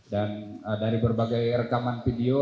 dan dari berbagai rekaman video